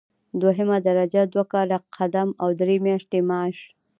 دوهمه درجه دوه کاله قدم او درې میاشتې معاش.